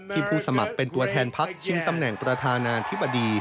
ผู้สมัครเป็นตัวแทนพักชิงตำแหน่งประธานาธิบดี